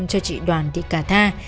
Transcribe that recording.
cho chị đoàn thị cà tha